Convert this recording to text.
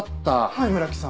はい村木さん。